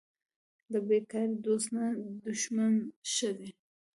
له بیکاره دوست نر دښمن ښه دی